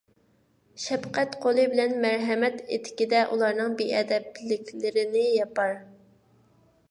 شەپقەت قولى بىلەن مەرھەمەت ئېتىكىدە ئۇلارنىڭ بىئەدەپلىكلىرىنى ياپار.